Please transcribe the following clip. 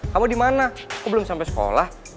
kamu dimana aku belum sampe sekolah